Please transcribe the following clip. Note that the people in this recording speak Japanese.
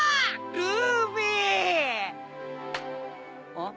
あっ？